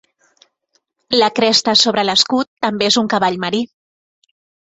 La cresta sobre l'escut també és un cavall marí.